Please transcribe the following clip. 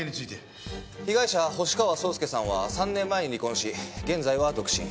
被害者星川草介さんは３年前に離婚し現在は独身。